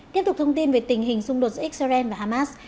tiếp tục thông tin về tình hình xung đột giữa israel và hamas